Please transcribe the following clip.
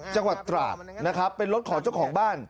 จังหวัดตราดนะครับเป็นรถของเจ้าของบ้าน